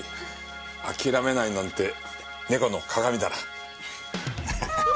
諦めないなんて猫の鑑だな。